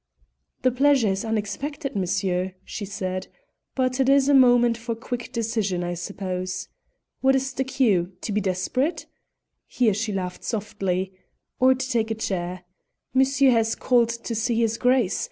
"The pleasure is unexpected, monsieur," she said; "but it is a moment for quick decision, I suppose. What is the cue? To be desperate?" here she laughed softly, "or to take a chair? Monsieur has called to see his Grace.